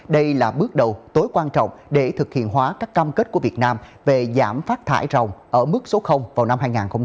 đây là bước đầu tối quan trọng để thực hiện hóa các cam kết của việt nam về giảm phát thải rồng ở mức số vào năm hai nghìn ba mươi